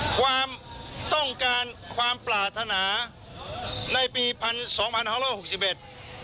ความต้องการความปราธนาในปีพศ๒๖๖๑